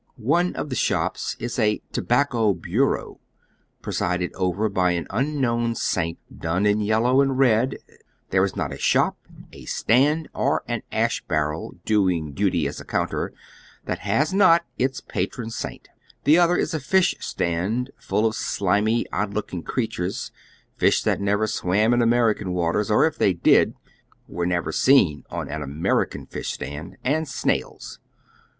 One of the shops is a "tobacco bureau," presided over by an unknown saint, done in yellow and red— there is not a shop, a stand, or an ash barrel doing duty for a counter, tJiat has not its patron saint — the other is a iish stand full of slimy, odd looking creatures, fish that never swam in American waters, or if they did, were never seen on an American fish stand, and snails.